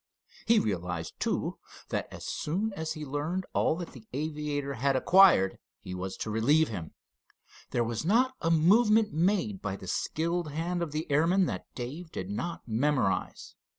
He realized, too, that as soon as he learned all that the aviator had acquired he was to relieve him. There was not a movement made by the skilled hand of the airman that Dave did not memorize.